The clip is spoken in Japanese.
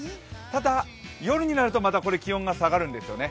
ただ、夜になるとまた気温が下がるんですよね。